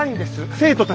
生徒たちに。